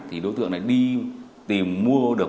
thì đối tượng nó đi tìm mua được